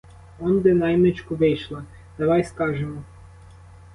Онде наймичку вийшла, давай скажемо.